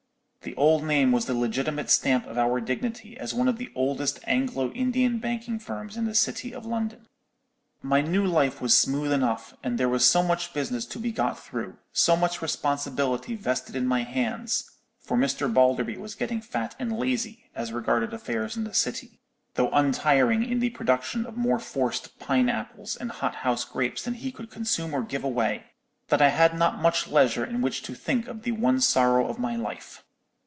The old name was the legitimate stamp of our dignity as one of the oldest Anglo Indian banking firms in the city of London. "My new life was smooth enough, and there was so much business to be got through, so much responsibility vested in my hands—for Mr. Balderby was getting fat and lazy, as regarded affairs in the City, though untiring in the production of more forced pine apples and hothouse grapes than he could consume or give away—that I had not much leisure in which to think of the one sorrow of my life.